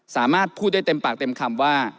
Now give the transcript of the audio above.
สามารถพูดได้เต็มปากเต็มคำว่า